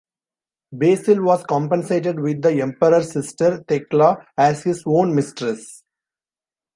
Basil was compensated with the emperor's sister Thekla as his own mistress.